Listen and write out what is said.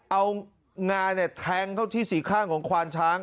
เอางาแทงเข้าที่สี่ข้างของควานช้าง